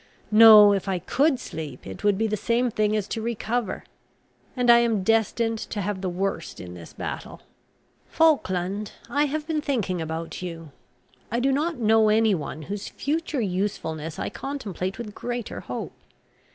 "No, if I could sleep, it would be the same thing as to recover; and I am destined to have the worst in this battle. "Falkland, I have been thinking about you. I do not know any one whose future usefulness I contemplate with greater hope.